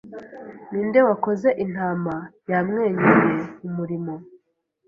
Ni nde wakoze Intama Yamwenyuye umurimo